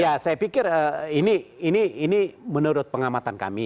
ya saya pikir ini menurut pengamatan kami